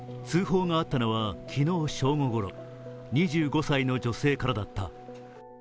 通報があったのは昨日正午ごろ、２５歳の女性からだった。